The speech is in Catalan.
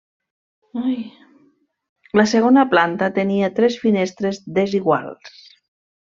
La segona planta tenia tres finestres desiguals.